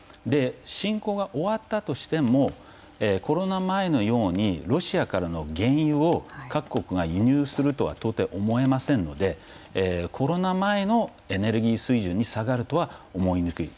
侵攻が終わったとしてもコロナ前のようにロシアからの原油を各国が輸入するとは到底思えないのでコロナ前のエネルギー水準に下がるとは思いにくい。